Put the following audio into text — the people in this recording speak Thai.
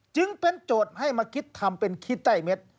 จึงเป็นโจทย์ให้มาคิดทำเป็นขี้ไต้เม็ด